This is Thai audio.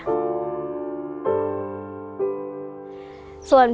ส่วนพี่ชายค่ะ